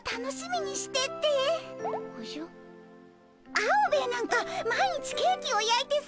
アオベエなんか毎日ケーキをやいてさ。